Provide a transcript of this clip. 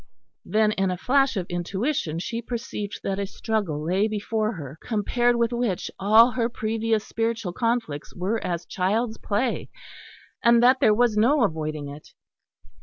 Then, in a flash of intuition, she perceived that a struggle lay before her, compared with which all her previous spiritual conflicts were as child's play; and that there was no avoiding it.